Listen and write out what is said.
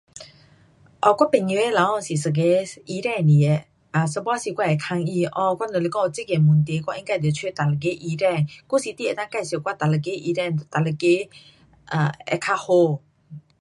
哦，我朋友的老公是一个医生来的。um 有半时我会问他 ,um 我若是讲有这个问题我应该得找哪一个医生，还是你能够介绍我那一个医生，哪一个 um 会较好。